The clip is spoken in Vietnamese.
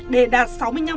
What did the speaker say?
để đạt sáu mươi năm